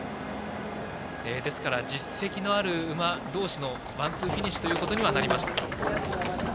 ですから、実績のある馬同士のワンツーフィニッシュということにはなりませんでした。